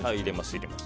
入れます。